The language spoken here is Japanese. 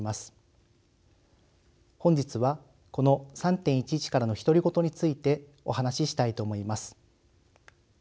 本日はこの「３．１１からの独り言」についてお話ししたいと思います。